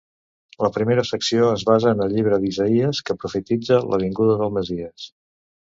La primera secció es basa en el Llibre d'Isaïes, que profetitza la vinguda del Messies.